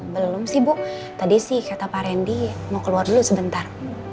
belum sih bu tadi sih kata pak randy mau keluar dulu sebentar